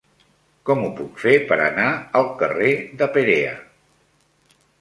Com ho puc fer per anar al carrer de Perea?